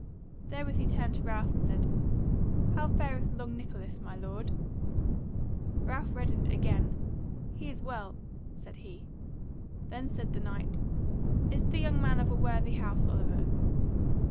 Therewith he turned to Ralph and said: "How fareth Long Nicholas, my lord?" Ralph reddened again: "He is well," said he. Then said the Knight: "Is the young man of a worthy house, Oliver?"